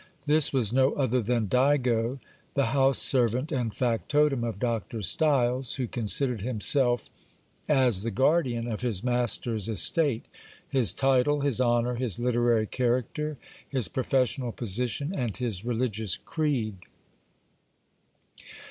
This was no other than Digo, the house servant and factotum of Dr. Stiles, who considered himself as the guardian of his master's estate, his title, his honour, his literary character, his professional position, and his religious creed.